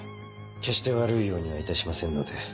決して悪いようにはいたしませんので。